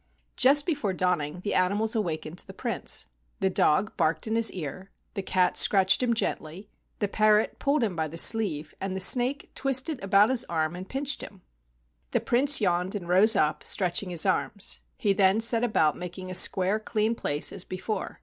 Just before dawning, the animals awakened the Prince. The dog barked in his ear, the cat scratched him gently, the parrot pulled him by the sleeve, and the snake twisted about his arm and pinched him. The Prince yawned and rose up, stretching his arms. He then set about making a square clean place as before.